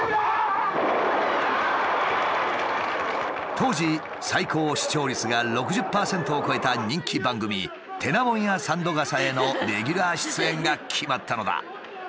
当時最高視聴率が６０％を超えた人気番組「てなもんや三度笠」へのレギュラー出演が決まったのだ。